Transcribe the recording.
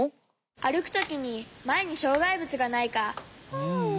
あるくときにまえにしょうがいぶつがないか。